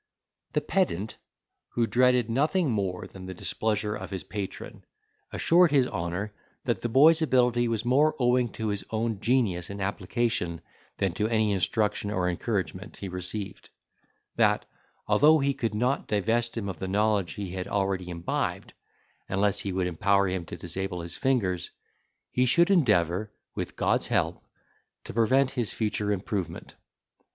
The pedant, who dreaded nothing more than the displeasure of his patron, assured his honour that the boy's ability was more owing to his own genius and application than to any instruction or encouragement he received; that, although he could not divest him of the knowledge he had already imbibed, unless he would empower him to disable his fingers, he should endeavour, with God's help, to prevent his future improvement.